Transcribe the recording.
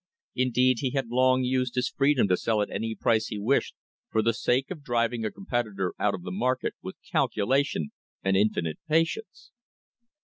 Indeed, he had long used his freedom to sell at any price he wished for the sake of driving a competitor out of the market with calculation and infinite patience.